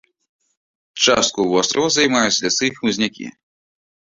Частку вострава займаюць лясы і хмызнякі.